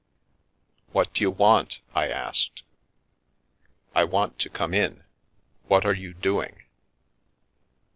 What d'you want?" I asked. I want to come in. What are you doing?